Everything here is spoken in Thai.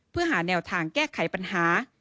เพื่อหาแนวทางแก้ไขปัญหา